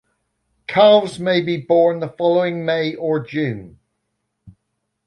Calves may be born the following May or June.